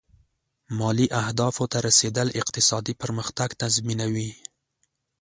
مالي اهدافو ته رسېدل اقتصادي پرمختګ تضمینوي.